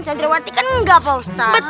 santriwati kan gak pak ustadz